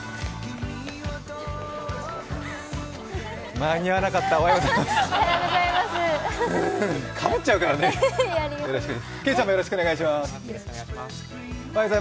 間に合わなかった、おはようございます。